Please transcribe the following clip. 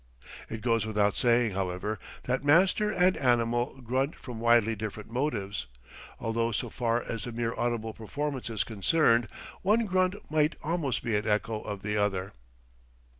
It goes without saying, however, that master and animal grunt from widely different motives; although, so far as the mere audible performance is concerned, one grunt might almost be an echo of the other.